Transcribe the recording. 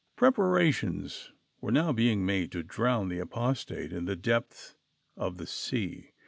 " Preparations were now being made to drown the apos tate in the depth of the sea.